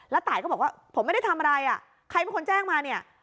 แล้วตายก็บอกว่าผมไม่ได้ทำอะไรอ่ะใครเป็นคนแจ้งมาเนี่ย